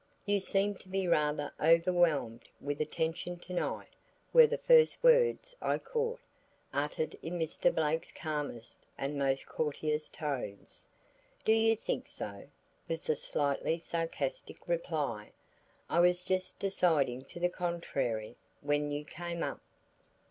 "You seem to be rather overwhelmed with attention to night," were the first words I caught, uttered in Mr. Blake's calmest and most courteous tones. "Do you think so?" was the slightly sarcastic reply. "I was just deciding to the contrary when you came up."